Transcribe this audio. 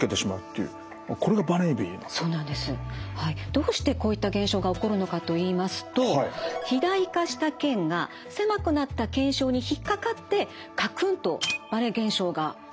どうしてこういった現象が起こるのかといいますと肥大化した腱が狭くなった腱鞘に引っ掛かってかくんとばね現象が起こるんです。